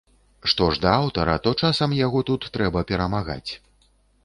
Што ж да аўтара, то часам яго тут трэба перамагаць.